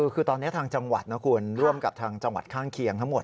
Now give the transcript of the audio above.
คือตอนนี้ทางจังหวัดนะคุณร่วมกับทางจังหวัดข้างเคียงทั้งหมด